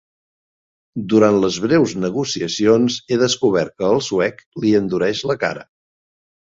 Durant les breus negociacions he descobert que el suec li endureix la cara.